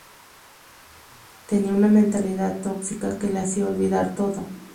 tenía una mentalidad tóxica que le hacía olvidar todo